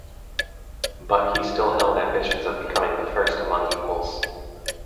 But he still held ambitions of becoming the "first among equals".